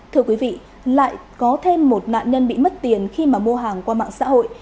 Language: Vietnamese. thưa quý vị lại có thêm một nạn nhân bị mất tiền khi mà mua hàng qua mạng xã hội